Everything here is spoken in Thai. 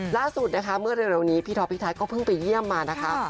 ล่าสุดนะคะเมื่อเร็วนี้พี่ท็อปพี่ไทยก็เพิ่งไปเยี่ยมมานะคะ